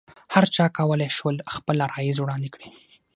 هرچا کولای شول خپل عرایض وړاندې کړي.